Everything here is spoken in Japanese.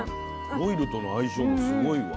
オイルとの相性もすごいわ。